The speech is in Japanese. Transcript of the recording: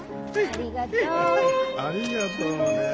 ありがとうねえ。